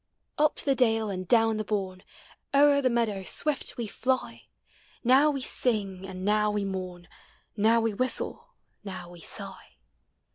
Up the dale and down the bourne, O'er the meadow swift we fly; Now we sing, and now we mourn. Now we whistle, now we sigh.